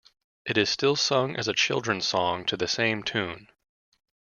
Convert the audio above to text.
It is still sung as a children's song to the same tune.